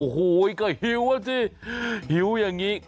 โอ้โฮก็หิวจริงอย่างนี้